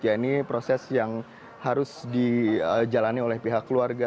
ya ini proses yang harus dijalani oleh pihak keluarga